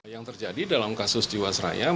yang terjadi dalam kasus jiwasraya